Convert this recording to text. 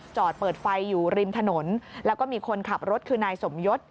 จอดเปิดไฟอยู่ริมถนนแล้วก็มีคนขับรถคือนายสมยศ